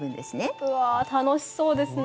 うわ楽しそうですね。